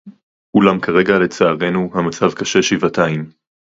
אולם כרגע, לצערנו, המצב קשה שבעתיים